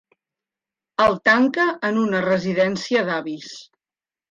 El tanca en una residència d'avis.